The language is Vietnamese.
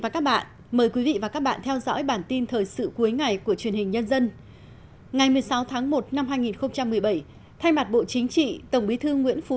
các bạn hãy đăng ký kênh để ủng hộ kênh của chúng mình nhé